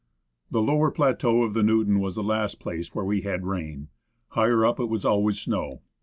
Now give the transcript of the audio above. The lower plateau of the Newton was the last place where we had rain ; higher up it was always snow.